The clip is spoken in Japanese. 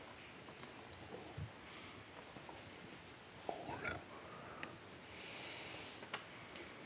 これ。